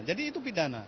jadi itu pidana